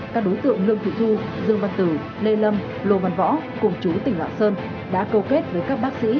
các đối tượng lương thị thu dương văn tử lê lâm lô văn võ cùng chú tỉnh lạng sơn đã câu kết với các bác sĩ